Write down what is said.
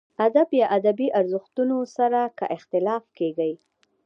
ادب یا ادبي ارزښتونو سره که اختلاف کېږي.